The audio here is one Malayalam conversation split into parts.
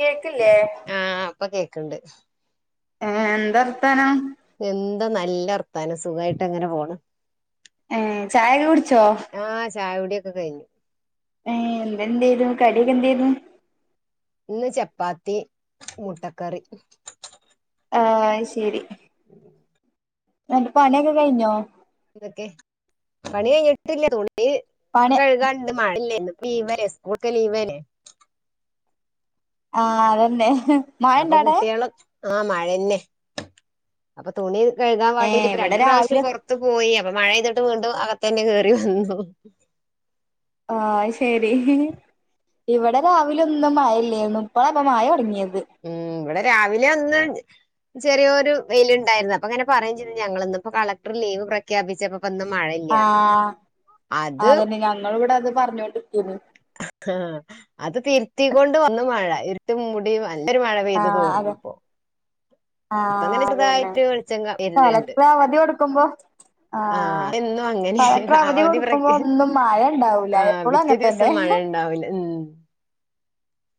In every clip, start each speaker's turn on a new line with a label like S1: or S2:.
S1: കേക്ക്ല്ലേ.
S2: ആഹ് ഇപ്പൊ കേക്ക്ണ്ട്.
S1: ഏഹ് എന്തവർത്താനം.
S2: എന്താ നല്ലർത്താനം സുഖായിട്ടങ്ങനെ പോണു.
S1: ഏഹ് ചായൊക്കെ കുടിച്ചോ?
S2: ആഹ് ചായകുടി ഒക്കെ കയിഞ്ഞു.
S1: ഏഹ് എന്തേതു കടിയൊക്കെ എന്തേര്ന്നു.
S2: ഇന്ന് ചപ്പാത്തി മുട്ടക്കറി.
S1: ആഹ് ശെരി ന്ന്ട്ട് പണി ഓക്കെ കഴിഞ്ഞോ.
S2: ന്തൊക്കെ പണി കഴിഞ്ഞിട്ടില്ല തുണി
S1: പണി
S2: കഴുകാൻ. ണ്ട് ഇന്ന്മഴല്ലെ ലീവല്ലേ സ്കൂൾക്കെ ലീവല്ലേ.
S1: ആഹ് അതന്നെ. മഴ
S2: അപ്പൊ
S1: ഇണ്ടാടെ
S2: കുട്ടികള് ആഹ് മഴന്നെ അപ്പൊ തുണി കഴുകാൻ
S1: ഏ
S2: വേണ്ടിയിട്ട് ഇപ്പ
S1: ഇവിടെ
S2: രണ്ട് പ്രാവശ്യം
S1: രാവിലെ
S2: പൊർ ത്ത് പോയി അപ്പൊ മഴെയ്തിട്ട് വീണ്ടും അകത്ത തന്നെ കേറി വന്നു
S1: ആഹ് ശരി ഇവിടെ രാവില ഒന്നും മായല്ലേരുന്നു ഇപ്പള അപ്പ മഴ തുടങ്ങിയത്
S2: ഉം ഇവിടെ രാവിലെ ഒന്ന് ചെറിയൊരു വെയിലുണ്ടായിരുന്നു, അപ്പൊ അങ്ങനെ പറുകയും ചെയ്ത് ഞങ്ങളൾന്ന ഇപ്പോ കളക്ടർ ലീവ് പ്രഖ്യാപിച്ചപ്പ പ്പന്ന് മഴ
S1: ആഹ് അതന്നെ ഞങ്ങളു ഇവിടെ അത് പറഞ്ഞോണ്ടിക്കെനി.
S2: ആഹ് അത് തിരുത്തിക്കോണ്ട് വന്ന് മഴ ഇര്ട്ട് മൂടി നല്ലൊരു മഴ പെയ്ത്
S1: ആഹ്
S2: തോർന്നു
S1: അതെ
S2: ഇപ്പോ ഇപ്പ
S1: ആഹ്
S2: അങ്ങനെ
S1: അതന്നെ
S2: ചെർതായിട്ട് വെളിച്ചങ്ങ വെര്ന്നിണ്ട്.
S1: കളക്ടർ അവധി കൊടുക്കുമ്പോ
S2: ആഹ് എന്നും അങ്ങനെ
S1: കളക്ടർ
S2: അവധി
S1: കൊടുക്കുമ്പോ
S2: പ്രഖ്യാ
S1: ഒന്നും മഴ ഉണ്ടാവൂല
S2: ആ
S1: എപ്പോഴും
S2: പിറ്റേ
S1: അങ്ങനെ
S2: ദിവ
S1: തന്നെ
S2: സം മഴ ഉണ്ടാവില്ല ഉം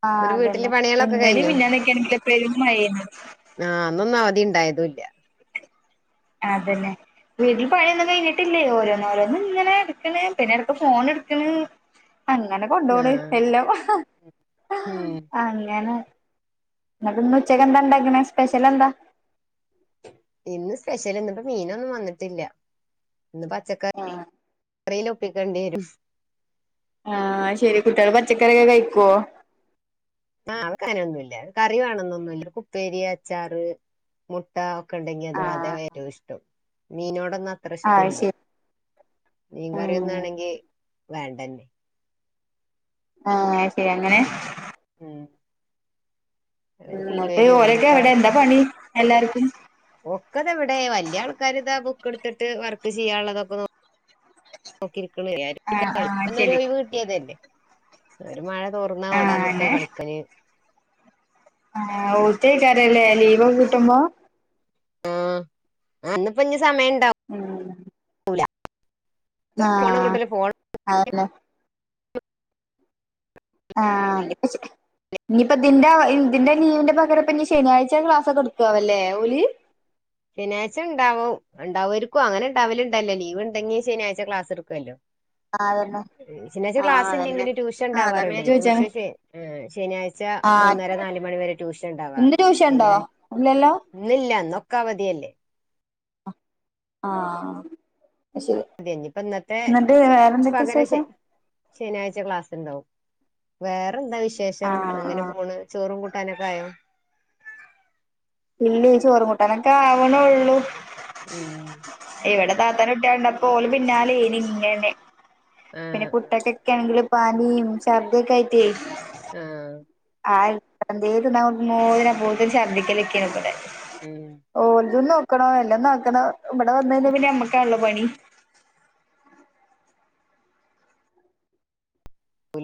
S1: ആഹ്
S2: എന്നിട്ട് വീട്ടില്
S1: അതന്നെ
S2: പണികളൊക്കെ
S1: ഇന്നലിം
S2: കഴിഞ്ഞോ
S1: മിഞ്ഞാന്നൊക്കെയാണങ്കിലോ പെരും മയേന്നു.
S2: ആഹ് അന്നൊന്നും അവധി ഉണ്ടായതൂല്ല.
S1: അതന്നെ. വീട്ടിൽ പണിയൊന്നും കഴിഞ്ഞിട്ടില്ലേ ഓരോന്നോരോന്ന് ഇങ്ങനെ ഇട്ക്കണ് പിന്നെ എടക്ക് ഫോൺ ഇടുക്കണ് അങ്ങനെ കൊണ്ടോവ്ണ്
S2: ആഹ്
S1: എല്ലം
S2: ഉം
S1: അങ്ങനെ എന്നിട്ട്ന്ന് ഉച്ചക്കെന്താ ഉണ്ടാക്ക്ണെ സ്പെഷ്യൽ എന്താ?
S2: ഇന്ന് സ്പെഷ്യൽ ഇന്നിപ്പോ മീനൊന്നും വന്നിട്ടില്ല ഇന്ന് പച്ചക്കറി ന്നെ ഒപ്പിക്കേണ്ടി വരും.
S1: ആഹ് ശരി കുട്ടികള് പച്ചക്കറിയെക്കെ കഴിക്കുവോ?
S2: ആഹ് അവ ക്കങ്ങനൊന്നുമില്ല കറി വേണന്നൊന്നുല്ല ഉപ്പേരി, അച്ചാറ്, മുട്ട, ക്കെണ്ടെങ്കിൽ അതും അതേ
S1: ആഹ്
S2: വേഗം ഇഷ്ടം മീനോടൊന്നുംഅ
S1: അത്
S2: ത്രഷ്ട്ടല്ല
S1: ശരി ഉം
S2: മീൻകറിയൊന്നാണെങ്കി വേണ്ടന്നെ
S1: ആഹ് ശരി അങ്ങനെ-
S2: ഉം
S1: ഉം
S2: അവർക്ക്
S1: ന്നിട്ട്
S2: ഉപ്പേരിയോ
S1: ഓരോക്കെ
S2: മുട്ട
S1: എവിടെ എന്താ പണി എല്ലാവർക്കും?
S2: ഒക്കതാ ഇവിടെ വല്ല്യ ആൾക്കാാര്താ ബുക്ക് എടുത്തിട്ട് വർക്ക് ചെയ്യാനുള്ളതൊക്കെ നോ നോക്കിരിക്ക്ണ്
S1: ആഹ്
S2: [unintelligible]
S1: ആഹ്
S2: ഇന്നര്
S1: ശരി
S2: ഒഴിവ് കിട്ടിയതല്ലെ ഒരു മഴ തോർന്നാ
S1: ആഹ്
S2: ഓടാന്നിക്കാ
S1: അങ്ങനെ
S2: കളിക്കാന്
S1: ആഹ് ഓത്തേക്കാരല്ലേ ലീവൊക്കെ കിട്ടുമ്പോ
S2: ആഹ് ആ ഇന്ന്പ്പൊ ഇഞ്ഞ് സമയണ്ടാവും.
S1: ഉം
S2: ഫോണ്
S1: ആഹ്
S2: കിട്ടൂല ഫോൺ
S1: അതന്നെ. ആഹ് ഇഞ്ഞിപ്പ ഇതിന്റെ ഇതിന്റെ ലീവിന്റെ പകര ഇപ്പൊ ഇനി ശനിയാഴ്ച ക്ലാസൊക്കെട്ക്കാവോല്ലേ ഓല്?
S2: ശനിയാഴ്ചണ്ടാവും ഉണ്ടാവുആയിരിക്കും അങ്ങനെ ഉണ്ടാവില്ണ്ടല്ലോ ലീവ് ഉണ്ടെങ്കി ശനിയാഴ് ക്ലാസ് ഇട്ക്കുവല്ലോ
S1: ആഹ് അതന്നെ
S2: ശനിയാഴ്ച
S1: ആഹ്
S2: ക്ലാസ്
S1: അതന്നെ
S2: ഇല്ലെങ്കില് ട്യൂഷൻ
S1: ആഹ് അതാ പിന്നെ
S2: ഉണ്ടാവാറുണ്ടേ
S1: ചോദിച്ചേ
S2: ട്യൂഷൻ ശ ആഹ് ശനിയാഴ്ച
S1: ആഹ്
S2: മൂന്നര നാല് മണി വരെ ട്യൂഷൻ
S1: ഇന്ന്
S2: ഉണ്ടാവാറുണ്ട്
S1: ട്യൂഷൻണ്ടോ
S2: ശനിയാഴ
S1: ഇല്ലല്ലോ
S2: ഇന്നില്ലന്നൊക്കവതിയല്ലേ
S1: ആ ശരി
S2: അതെ ഇനിയിപ്പോ ഇന്നത്തെ
S1: എന്നിട്ട് വേറെന്തൊക്കെ
S2: പകരം ശ
S1: വിശേഷം?
S2: ശനിയാഴ്ച ക്ലാസ്സ്ണ്ടാവും വേറെന്താ വിശേഷം
S1: ആഹ്
S2: അങ്ങനെ
S1: ആഹ്
S2: പോണ് ചോറും കൂ ട്ടാനൊക്കെ ആയോ?
S1: ഇല്ലേയ് ചോറും കൂട്ടാനൊക്കെ ആവ്ണൊള്ളു.
S2: ഉം
S1: ഇവിടെ താത്താന്റെ കുട്ടിയാള് ണ്ടായപ്പോ ഓലെ പിന്നാലേനി ഇങ്ങനെ. പിന്നെ
S2: ആഹ്
S1: ഫുടൊക്കൊക്കാണെങ്കില് പാനീം ഛർദിഒക്കെ ആയിറ്റെയ്‌
S2: ആഹ്
S1: ആഹ് എന്തേലും [unintelligible] മോന് അപ്പോത്തിന് ഛർദ്ദിക്കലൈക്കാരംബടെ
S2: ഉം
S1: ഓൽതും നോക്കണം എല്ലം നോക്കണം ഇവിടെ വന്ന് കഴിഞ്ഞാ പിന്നെ നമ്മക്കാണല്ലോ പണി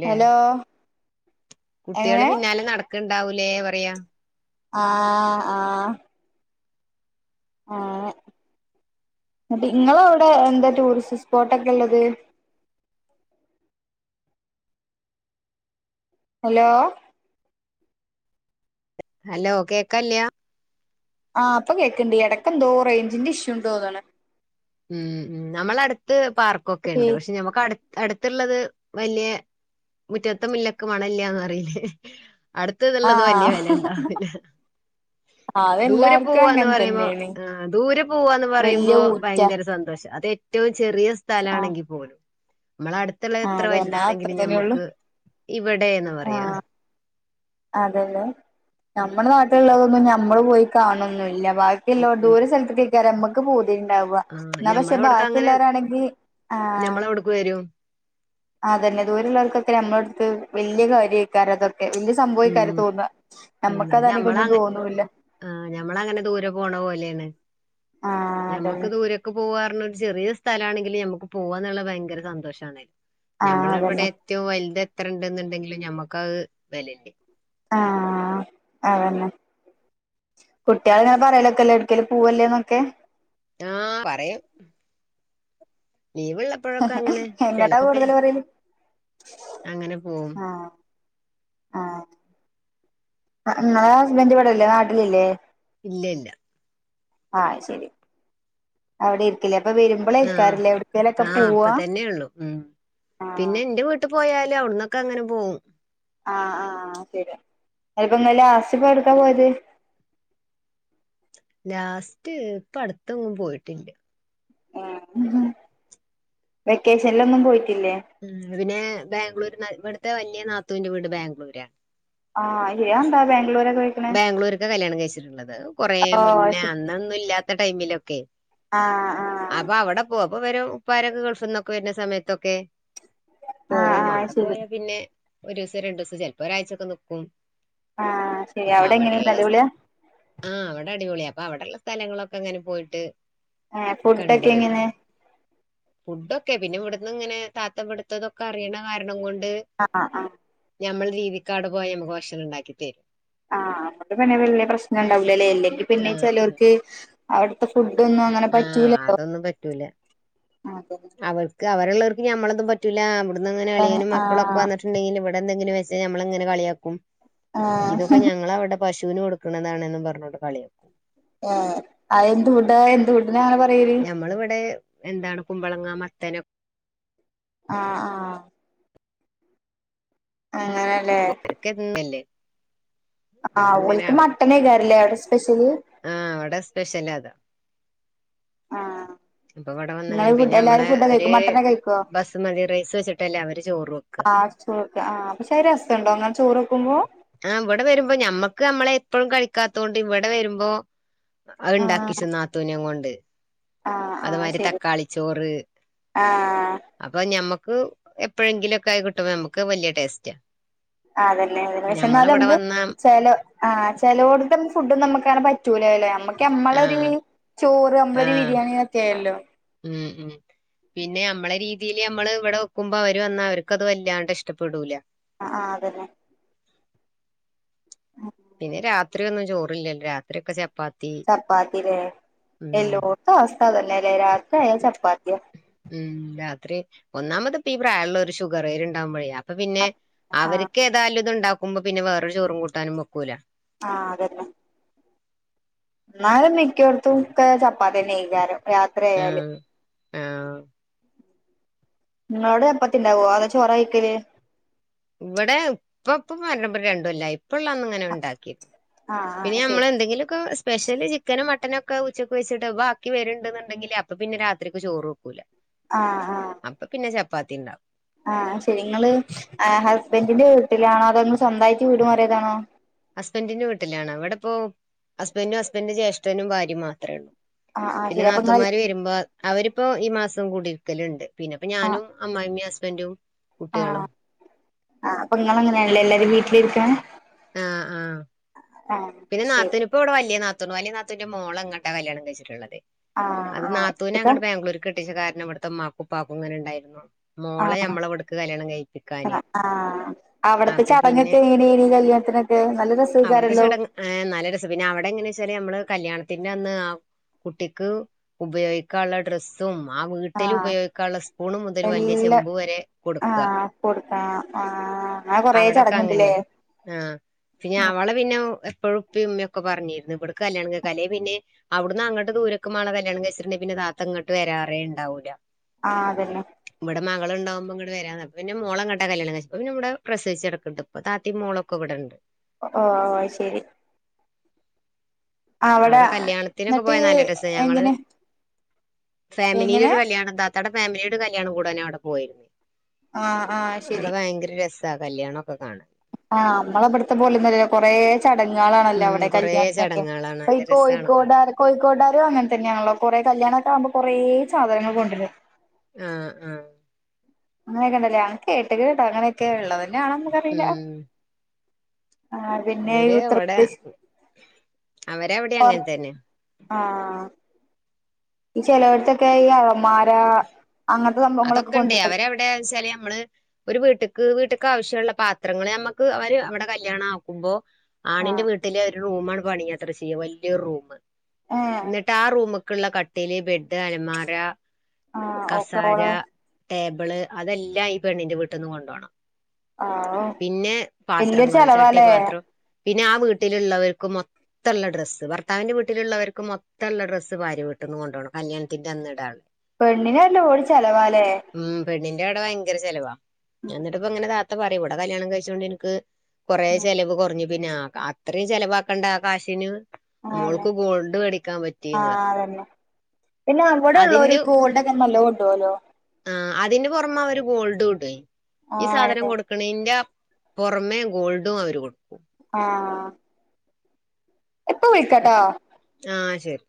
S1: ഹലോ
S2: കുട്ട്യള്
S1: എങ്ങനെ
S2: പിന്നാലെ നടക്ക്ണ്ടാവൂലേ പറയാ
S1: ആഹ് ആഹ് അങ്ങനെ ന്ന്ട്ട് ഇങ്ങളൗടെ എന്താ ടൂറിസ്റ്റ്സ്പോട്ടൊക്കെള്ളത് ഹലോ
S2: ഹലോ കേക്കാല്യാ
S1: ആഹ് പ്പ കേക്ക്ണ്ട് എടക്ക് എന്തോ റേഞ്ചിന്റെ ഇഷ്യൂ ഇണ്ടോന്ന്ണ്
S2: ഉം ഉം നമ്മളട്ത്ത് പാർക്കൊക്കെ ഇണ്ട് പക്ഷേ ഞമ്മക്കട് അട്ത്ത്ള്ളത് വല്യെ മുറ്റത്തമുല്ലക്ക് മണല്ലാന്ന് പറീല്ലേ അട്ത് ന്ന്ള്ളത് വല്യ
S1: ആഹ്
S2: വെലണ്ടാവൂല ദൂരെ
S1: അതെല്ലാർക്കും
S2: പോവാന്ന്
S1: അങ്ങനെ
S2: പറയുമ്പോ
S1: തന്നെയാണ്
S2: ആഹ് ദൂരെ പോവാന്ന്
S1: വല്യ
S2: പറയുമ്പോ
S1: ഊറ്റ
S2: ഭയങ്കര സന്തോഷാ അത് ഏറ്റവും ചെറിയ സ്ഥലം
S1: ആഹ്
S2: ആണെങ്കിൽ പോലും നമ്മളട് ത്ത്ള്ളെ
S1: ആഹ്
S2: എത്ര
S1: അതന്നെ അത് അത്ര
S2: വലുതാണെങ്കിലും
S1: തന്നെയുള്ളു
S2: ഞമ്മക്ക് ഇവിടെ എന്ന് പറയാ
S1: അതെല്ലേ ഞമ്മളെ നാട്ട്ള്ളതൊന്നും ഞമ്മള് പോയി കാണൊന്നുല്ല ബാ ക്കില്ലോ
S2: ഉം
S1: ദൂര സെൽത്ത്ക്കെ യ്ക്കരം ഞമ്മക്ക് പൂതി ഇണ്ടാവ
S2: ആഹ്
S1: ന്നാ പക്ഷേ
S2: ഞമ്മളവിടക്ക് അങ്ങനെ
S1: ബാക്കിള്ളോരാണെങ്കി ആഹ്
S2: ഞമ്മളവിടക്ക് വരും
S1: അതെന്നെ ദൂരള്ളോൽക്കൊക്കെ നമ്മളെ അട്ത്ത് വല്യ കാര്യെയ്ക്കാരം ഇതൊക്കെ വല്യ സംഭവെയ്ക്കാരം
S2: ഉം
S1: തോന്ന ഞമ്മക്ക് അതാണെങ്കി ഒന്നും തോന്നൂല്ല
S2: ആഹ് ഞമ്മളങ്ങനെ ദൂരെ പോണ പോലെയാണ്
S1: ആഹ്
S2: ഞമ്മക്ക്
S1: അതന്നെ
S2: ദൂരെ ക്ക് പോവാർഞ്ഞെ ഒരു ചെറിയെ സ്ഥലാണെങ്കിലും ഞമ്മക്ക് പോവാന്ന്ള്ള ഭയങ്കര സന്തോഷാണെ
S1: ആഹ്
S2: ഞമ്മള്
S1: അതന്നെ
S2: അവടേ റ്റവും വല്ത് എത്ര ഇണ്ട്ന്ന്ണ്ടെങ്കിലും ഞമ്മക്കത് വെലല്ലേ
S1: ആഹ് അതെന്നെ കുട്ട്യാള് ഇങ്ങനെ പറേലൊക്കല്ലേ എട്ക്കേലും പോവല്ലേന്നൊക്കെ
S2: ആഹ് പറയും ലീവ് ഇള്ളപ്പോഴൊക്കങ്ങനെ
S1: എങ്ങട്ടാ
S2: ചെലപ്പൊക്കെ
S1: കൂടുതല്
S2: ഇസ്
S1: പറയല്
S2: അങ്ങനെ പോവും
S1: ആഹ് ആഹ് ഇങ്ങളെ ഹസ്ബൻഡ് ഇവെടല്ലേ നാട്ടിലില്ലേ
S2: ഇല്ലല്ല
S1: ആഹ് അയ്ശരി അവ്ടേരുക്കില്ലേ അപ്പം വെരു
S2: ആഹ് ആഹ് അപ്പ തന്നെയുള്ളു ഉം
S1: ആഹ്
S2: പിന്നെ ഇന്റെ വീട്ട് പോയാല് അവ്ട്ന്നൊക്കെ അങ്ങനെ പോവും
S1: ആഹ് ആഹ് ശരിയാ എനിപ്പം ഇങ്ങൾ ലാസ്റ്റ്പ്പം എവുട്ക്കാ പോയത്
S2: ലാസ്റ്റ് ഇപ്പ അട്ത്തെങ്ങും പോയിട്ടില്ല
S1: ആഹ് വെക്കേഷന്ലൊന്നും പോയിട്ടില്ലേ
S2: ഉം പിന്നെ ബാംഗ്ലൂര്ന്ന് അഹ് ഇവ്ട്ത്തെ വല്ല്യ നാത്തൂന്റെ വീട് ബാംഗ്ലൂരാ
S1: ആഹ് അയ്യേ അഹ് എന്താ ബാംഗ്ലൂരൊക്കെ പോയിട്ട്
S2: ബാംഗ്ലൂര്ക്കാ കല്യാണം കഴിച്ചിട്ട്ള്ളത് അഹ് കൊറേ
S1: ഓഹ് അത്
S2: മുന്നേ
S1: ശരി
S2: അന്നൊന്നും ഇല്ലാത്ത ടൈമിലൊക്കെ
S1: ആഹ്
S2: അപ്പ അവടെ പോവും അപ്പ വരും ഉപ്പാരൊക്കെ ഗൾഫ്ന്നൊക്കെ വെര്ന സമയത്തൊക്കെ
S1: ആഹ് ആഹ്
S2: പോവും
S1: ആഹ്
S2: മവിടെ
S1: ശരി
S2: പോയാ പിന്നെ ഒരൂസം രണ്ടൂസം ചെലപ്പോ ഒരാഴ്ചൊക്കെ നിക്കും
S1: ആഹ് ശരി
S2: അപ്പ
S1: അവിടെ എങ്ങനെണ്ട്
S2: അവ്ടെള്ളെ സ്
S1: അടിപൊളിയാ
S2: ആഹ് അവ്ടെ അടിപൊളിയാ അപ്പൊ അവ്ടെള്ളെ സ്ഥലങ്ങളൊക്കെ ഇങ്ങനെ പോയിട്ട്
S1: ഏഹ്
S2: കണ്ട്
S1: ഫുഡൊക്കെ
S2: വെരും
S1: എങ്ങനെ
S2: ഫുഡൊക്കെ പിന്നെ ഇവ്ട്ന്ന് ഇങ്ങനെ താത്ത ഇവട്ത്തതൊക്കെ അറിയ്ണെ കാരണം കൊണ്ട്
S1: ആഹ് ആഹ് ആഹ്
S2: ഞമ്മളെ രീതിക്കാട് പോയാ ഞമ്മക്ക് ഭക്ഷണം ഇണ്ടാക്കി തരും
S1: ആഹ് അപ്പ പിന്നെ വല്ല്യ പ്രശ്നം ഇണ്ടാവൂല്ലല്ലേ ഇല്ലെങ്കി പിന്നെ
S2: ആ
S1: ചെലോൽക്ക് അവ്ട്ത്തെ ഫുഡൊന്നും അങ്ങനെ
S2: ആഹ്
S1: പറ്റൂല്ലല്ലോ
S2: അതൊന്നും
S1: ആഹ് അതെന്നെ
S2: ക്ക അവരെള്ളോർക്ക് ഞമ്മളതും പറ്റുല്ല. അവ്ട്ന്ന് ഇങ്ങനെ അളിയനും മക്കളും ഒക്കെ
S1: ആഹ്
S2: വന്നിട്ട് ഇണ്ടെങ്കിൽ ഇവ്ടെ എന്തെങ്കി വെച്ചഴിഞ്ഞ ഞമ്മളെങ്ങനെ കളിയാക്കും ഇതൊക്കെ
S1: ആഹ്
S2: ഞങ്ങള അവുടെ പശൂന് കൊട്ക്ക്ണതാണ്ന്നും പറ്ഞ്ഞോണ്ട് കളിയാ
S1: ആഹ് അയെന്ത് ഫുഡാ എന്ത് ഫുഡിനാ അങ്ങനെ പറ്യേല്
S2: ഇമ്മള് ഇവെടെ എന്താണ് കുമ്പളങ്ങ, മത്തനും
S1: ആഹ് ആഹ് അങ്ങനെ
S2: പോക്കന്നല്ലേ
S1: ആഹ് ഓൽക്ക് മട്ടനേക്കാരല്ലേ അവ്ടെ സ്പെഷ്യല്
S2: അവ്ടെ സ്പെഷ്യലതാ
S1: ആഹ്
S2: ഇപ്പൊ ഇവടെ വന്നങ്ങനെ
S1: നിങ്ങള്
S2: പിന്നെ
S1: ഫുഡ്
S2: ഞമ്മളെ
S1: എല്ലാരും ഫുഡ്
S2: അവര്
S1: കഴിക്കോ മട്ടനെ കഴിക്കോ
S2: ബസ്മതി റൈസ് വെച്ചിട്ടല്ലേ അവര് ചോറ് വെക്കാ
S1: ചോറെക്കാ ആഹ് പക്ഷേ അഹ് രസണ്ടോ അങ്ങനെ ചോറ് വെക്കുമ്പോ
S2: ആഹ് ഇവടെ വെരുമ്പോ ഞമ്മക്ക് അമ്മളെ എപ്പഴും കഴിക്കാത്തോണ്ട് ഇവടെ വെരുമ്പോ അഹ്
S1: ആഹ്
S2: ഇണ്ടാക്കിച്ചും നാത്തൂനേം കൊണ്ട്
S1: ആഹ്
S2: അത്
S1: ആഹ്
S2: മാരി
S1: ശരി
S2: തക്കാളിച്ചോറ്
S1: ആഹ്
S2: അപ്പ അഹ് ഞമ്മക്ക് എപ്പഴെങ്കിലൊക്കായി കിട്ടുമ്പോ ഞമ്മക്ക് അഹ് വല്ല്യ ടേസ്റ്റാ
S1: അതന്നെ പിന്നെ
S2: ഞമ്മളിവിടെ
S1: ചെന്നാലെന്ത്
S2: വന്നാ
S1: ചെലോ ആഹ് ചെലോട്ത്തെൻ ഫുഡൊന്നും നമ്മക്കങ്ങനെ പറ്റൂല്ലേല്ലോ ഞമ്മ നമ്മളൊരു
S2: ആഹ്
S1: ചോറ് നമ്മളൊരു ബിരിയാണിക്കെ ആയല്ലോ
S2: ഉംഹ് ഉംഹ്. പിന്നെ നമ്മളെ രീതിൽ നമ്മള് ഇവിടെ വെക്കുമ്പോ അവര് വന്നാ അവർക്ക് അത് വല്ലാണ്ട് ഇഷ്ടപ്പെടൂല
S1: ആഹ് ആഹ് അതന്നെ
S2: പിന്നെ രാത്രി ഒന്നും ചോറില്ലല്ലോ രാ. ത്രി യൊക്കെ ചപ്പാ.
S1: ചപ്പാത്തിലേ എല്ലോട്ത്ത അവസ്ഥ അതന്നെല്ലേ രാത്രി ആയ ചപ്പാത്തിയ
S2: ഉംഹ് രാത്രി ഒന്നാമത് പ്പീ പ്രായള്ളോര് ഷുഗറേര് ഉണ്ടാവുമ്പോഴെ അപ്പൊ പിന്നെ
S1: ആ
S2: അവർക്ക് ഏതായാലും ഇത്ണ്ടാക്കുമ്പോ പിന്നെ വേറൊരു ചോറും കൂട്ടാനും വെക്കൂല
S1: ആഹ് അതന്നെ ന്നാലും മിക്കോട്ത്തും ക്കെ ചപ്പാത്തിന്നെക്കാരം രാത്രി ആയാൽ
S2: ആഹ് ആഹ്
S1: നിങ്ങളോടെ ചപ്പത്തി ണ്ടാവോ അതൊ ചോറ കഴിക്കല്.
S2: ഇവിടെ ഇപ്പ ഉപ്പ മരണപ്പെട്ടിട്ട് രണ്ട് കൊല്ലായ് ഇപ്പള്ളന്ന് ങ്ങനെ ഉണ്ടാക്കിരുന്നു
S1: ആ ആ
S2: പിന്നെ
S1: ശരി
S2: നമ്മള് എന്തെങ്കിലുക്ക സ്പെഷ്യല് ചി. ചിക്കനും മട്ടനൊക്കെ ഉച്ചക്ക് വെച്ചിട്ട് ബാക്കി വരുണ്ട്ന്നുണ്ടെങ്കിൽ അപ്പൊ പിന്നെ രാത്രിക്ക് ചോറ് വെക്കൂല
S1: ആഹ് ആഹ്
S2: അപ്പൊ പിന്നെ ചപ്പാത്തിണ്ടാക്കും
S1: ആഹ് അയ്ശരി നിങ്ങള് ഏഹ് ഹസ്ബൻഡിന്റെ വീട്ടിലാണോ അതോ ങ്ങള് സ്വന്തായിട്ട് വീട് മാറിയതാണോ
S2: ഹസ്ബൻന്റെ വീട്ടിലാണ് ഇവിടപ്പോ ഹസ്ബൻന്റും ഹസ്ബൻഡന്റെ ജ്യേഷ്ഠനും ഭാരിം മാത്രള്ളൂ
S1: ആ ആ
S2: പിന്നെ
S1: ശരി അപ്പൊ ഇങ്ങള്
S2: നാത്തൂമാര് വരുമ്പോ. അവരിപ്പോ ഈ മാസം കുടിരിക്കല്ണ്ട് പിന്നെപ്പം
S1: ആഹ്
S2: ഞാനും അമ്മായമ്മിം ഹസ്ബൻന്റും
S1: ആഹ് ആഹ് അപ്പൊങ്ങളങ്ങനെയാണ്ല്ലേ എല്ലാരും വീട്ടിലിരിക്കണ്
S2: ആഹ് ആഹ് പിന്നെ
S1: ശരി
S2: നാത്തൂൻ ഇപ്പോ ഇവിടെ വല്ല നാത്തൂന്ണ്ട് വല്യ നാത്തൂന്റെ മോളെങ്ങട്ടാ കല്യാണം കഴിച്ചിട്ടുള്ളത്
S1: ആഹ്
S2: അത്
S1: ആഹ് ഇപ്പത്തെ
S2: നാത്തൂനെങ്ങട്ട് ബാംഗ്ലൂർക്ക് കെട്ടിച്ച കാരണം വിടുത്തെ മ്മാക്കു ഉപ്പാക്കും ഇങ്ങനെ ണ്ടായിരുന്നു
S1: ആഹ് ആഹ് അവിടത്തെ
S2: അപ്പൊ പിന്നെ
S1: ചടങ്ങൊക്ക എങ്ങനേനി കല്യാണത്തിന ക്കെ നല്ല
S2: അവിടുത്തെ
S1: രസേക്കാരല്ലോ
S2: ചടങ്ങ് ഏഹ് നല്ല രസം പിന്നെ അവിടെ എങ്ങനെച്ചാ നമ്മള് കല്യാണത്തിന്റെ അന്ന് കുട്ടിക്ക് ഉപയോഗിക്കാന്ള്ള ഡ്രസ്സ്. തും ആ വീട്ടിൽ
S1: ആഹ്
S2: ഉപയോഗിക്കാനുള്ള സ്പൂണ് മുതൽ വല്ല്യ
S1: എല്ലാ
S2: ചെമ്പ് വരെ കൊടുക്ക
S1: ആഹ് കൊടുക്കണം ആഹ് ആഹ് അങ്ങനെ കൊറേ
S2: അവിടൊക്കെ
S1: ചടങ്ങുണ്ടല്ലേ
S2: അങ്ങനെയാണ് ആഹ് പിന്നെ അവളെ പിന്നെ എപ്പോഴും ഉപ്പി ഉമ്മയൊക്കെ പറഞ്ഞിരുന്നു ഇവിട്ക് കല്യാണം കഴിക്ക അല്ലേ പിന്നെ അവിടന്ന് അങ്ങട്ട് ദൂരൊക്ക മേണ കല്യാണം കഴിച്ചിട്ടുണ്ടേ പിന്നെ താത്ത ഇങ്ങട്ട് വരാറെ ഉണ്ടാവൂല്ല
S1: ആഹ് അതന്നെ
S2: ഇവിടെ മകളുണ്ടാവുമ്പോ ഇങ്ങട് വരാ മോളെ ഇങ്ങട്ടാ കല്യാണം കഴിച്ചെ പിന്നെ ഇവിടെ പ്രസവിച് കെടക്ക് ണ്ട്. ഇപ്പ താത്തി മോളൊക്കെ ഇവിടെണ്ട്
S1: ഒ ഓ അയ് ശെരി അവിടെ
S2: കല്യാണത്തിനൊക്കെ
S1: ന്നിട്ട്
S2: പോയാ നല്ല
S1: എങ്ങനെ എങ്ങനെ
S2: ഫാമിലിയിലൊരു കല്യാണം താത്താടെ ഫാമിലിയുടെ കല്യാണം കൂടാൻ അവിടെ പോയിരുന്നേ
S1: ആഹ് ആഹ് ശരി
S2: അവിടെ ഭയങ്കര രസാ കല്യാണൊക്കെ കാണാന്
S1: ആഹ് നമ്മളെ ഇവിടുത്തെ പോലൊന്നല്ല കൊറെ ചടങ്ങാളാണല്ലോ
S2: ഉം
S1: അവിടെ
S2: കൊറേ
S1: കല്യാണത്തിനൊക്കെ
S2: ചടങ്ങുകളാണ്
S1: അപ്പൊ ഈ
S2: നല്ല രസാണ്
S1: കോഴിക്കോട് ആ
S2: കാണാൻ
S1: കോഴിക്കോടാരു അങ്ങനെ തന്നെയാണല്ലോ കൊറെ കല്യാണൊക്കെ ആകുമ്പോൾ കുറേ സാധനങ്ങൾ കൊണ്ടരും
S2: ആഹ് ആഹ്
S1: അങ്ങനെയൊക്കെ ഉണ്ടല്ലേ? ഞാൻ കേട്ട്ക്ക്ട്ടോ അങ്ങനെയൊക്കെ ഉള്ളതന്നെയാണോന്ന് നമ്മക്കറിയില്ല.
S2: ഉം
S1: ആ പിന്നെഈ
S2: ഇവര് അവിടെ
S1: ഉത്തർപ്രദേശ്
S2: അവരവിടെ അങ്ങനെ തന്നെ
S1: [unintelligible] ആഹ് ഈ ചെലയിടത്തൊക്കെ ഈ അലമാര അങ്ങനത്തെ സംഭവങ്ങളൊക്കെ
S2: അതൊക്കെണ്ട്
S1: കൊണ്ടുവരും
S2: അവരവിടെന്ന് വെച്ചാല് നമ്മള് ഒരു വീട്ടിക്ക് വീട്ട്ക്ക് ആവശ്യള്ള പാത്രങ്ങൾ നമ്മക്ക് അവര് അവിടെ കല്യാണാക്കുമ്പോ ആണിന്റെ
S1: ആഹ്
S2: വീട്ടില് ഒരു റൂമാണ് പണിയാണ് ചെയ്യുക വലിയൊരു റൂം
S1: ഏഹ്
S2: എന്നിട്ട് ആ റൂമൊക് ക്കുള്ള കട്ടില്, ബെഡ്, അലമാര
S1: ആഹ് ഓക്കെ
S2: കസേര
S1: ഓള്
S2: ടേബിൾ അതെല്ലാം ഈ പെണ്ണിന്റെ വീട്ടിന്ന് കൊണ്ടോണം.
S1: ആഹ്
S2: പിന്നെ
S1: വല്യൊരു
S2: പാത്രങ്ങള്
S1: ചെലവാല്ലേ
S2: ചട്ടിപാത്രം, പിന്നെ ആ വീട്ടിലുള്ളവർക്ക് മൊത്തം മൊത്തം ഉള്ളഡ്രസ് ഭർത്താവിന്റെ വീട്ടിലുള്ളവർക്ക് മൊത്തള്ള ഡ്രസ്സ് ഭാര്യ വീട്ടിന്ന് കൊണ്ടോണം കല്യാണത്തിന്റെ അന്ന് ഇടാനുള്ള
S1: പെണ്ണിന് ഒര് ലോഡ് ചെലവാലേ?
S2: ഉം പെണ്ണിന്റെ അവിടെ ഭയങ്കര ചെലവാ എന്നിട്ടിപ്പ ഇങ്ങനെ താത്ത പറയും ഇവിടെ കല്യാണം കഴിച്ചോണ്ട് ഇനിക്ക് കുറെ ചിലവ് കുറഞ്ഞു. പിന്നെ അത്രയും ചെലവാക്കണ്ട ആ കാശിന്
S1: ആഹ് അതന്നെ
S2: മോൾക്ക് ഗോൾഡ് വേടിക്കാൻ പറ്റിന്ന്
S1: ആഹ്
S2: പറഞ്ഞ്
S1: അതന്നെ. പിന്നെ അവിടെ ഉളോര് ഗോൾഡൊക്കെ നലോണം ഇടോല്ലോ?
S2: ആ അതിന്റെ പുറമെ അവര് ഗോൾഡ് ഇടുവെ ഈ സാധനം
S1: ആഹ്
S2: കൊടു ക്കിണിന്റെ പുറമേ ഗോൾഡും അവര് കൊടുക്കും.
S1: ആഹ് ഇപ്പോ വിളിക്കാട്ടോ
S2: ആ ശരി.